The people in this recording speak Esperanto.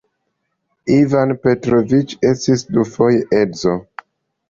Ivan Petroviĉ estis dufoje edzo.